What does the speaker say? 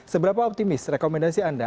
seberapa optimis rekomendasi anda